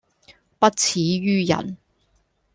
不齒於人